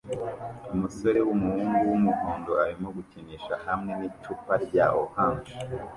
Umusore wumuhungu wumuhondo arimo gukinisha hamwe nicupa rya orange